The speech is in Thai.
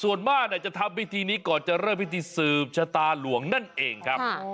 ส่วนมากจะทำพิธีนี้ก่อนจะเริ่มพิธีสืบชะตาหลวงนั่นเองครับ